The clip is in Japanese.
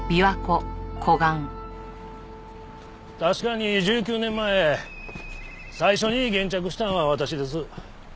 確かに１９年前最初に現着したのは私です。